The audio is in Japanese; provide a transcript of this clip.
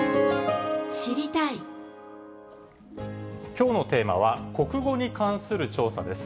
きょうのテーマは、国語に関する調査です。